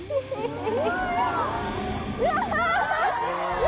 うわ！